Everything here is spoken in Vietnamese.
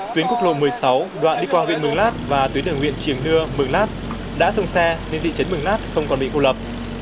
tuyến quốc lộ một mươi sáu đoạn đi qua huyện mường lát và tuyến đường huyện triềng nưa mường lát đã thông xe nên thị trấn mường lát không còn bị cô lập